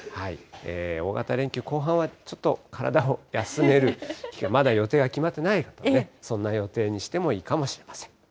大型連休後半はちょっと体を休める、まだ予定が決まってない方はね、そんな予定にしてもいいかもしれません。